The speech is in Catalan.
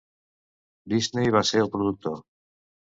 Disney va ser el productor.